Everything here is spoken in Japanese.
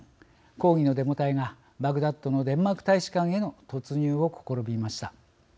抗議のデモ隊がバグダッドのデンマーク大使館への突入を試みました。